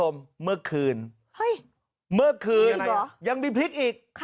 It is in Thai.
เมื่อคืนยังมีพลิกอีก